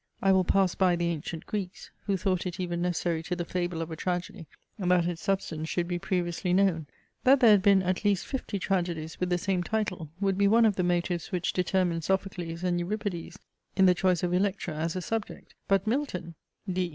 I will pass by the ancient Greeks, who thought it even necessary to the fable of a tragedy, that its substance should be previously known. That there had been at least fifty tragedies with the same title, would be one of the motives which determined Sophocles and Euripides, in the choice of Electra as a subject. But Milton D.